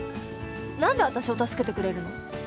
何で私を助けてくれるの？